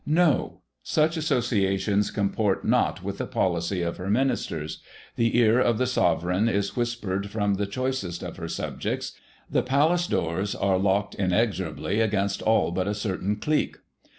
No; such associations comport not with the policy of her ministers; the ear of the Sovereign is whispered from the choicest of her subjects — the palace doors are locked inexorably against all but a certain cHque."